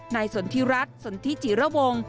สนทิรัฐสนทิจิระวง